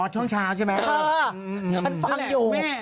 ช่วงเช้าใช่ไหมฉันฟังอยู่